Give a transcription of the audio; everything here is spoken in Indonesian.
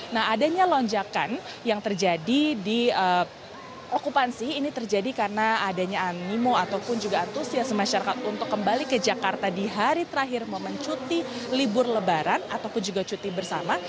nah adanya lonjakan yang terjadi di okupansi ini terjadi karena adanya animo ataupun juga antusias masyarakat untuk kembali ke jakarta di hari terakhir momen cuti libur lebaran ataupun juga cuti bersama